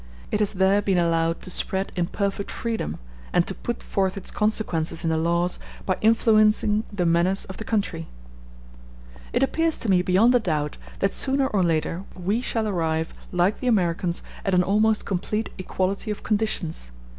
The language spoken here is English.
It has there been allowed to spread in perfect freedom, and to put forth its consequences in the laws by influencing the manners of the country. It appears to me beyond a doubt that sooner or later we shall arrive, like the Americans, at an almost complete equality of conditions.